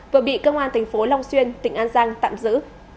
vừa bị công an thành phố long xuyên tỉnh an giang tạm giữ